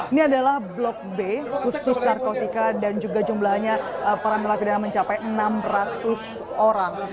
ini adalah blok b khusus narkotika dan juga jumlahnya para narapidana mencapai enam ratus orang